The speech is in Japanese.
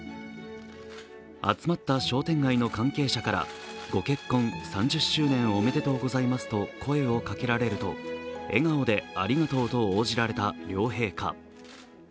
集まった商店街の関係者からご結婚３０周年おめでとうございますと声をかけられると、笑顔でありがとうと応じられた両陛下。